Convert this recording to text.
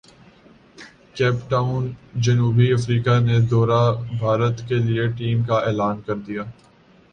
cap Town جنوبی افریقہ نے دورہ بھارت کیلئے ٹیم کا اعلان کردیا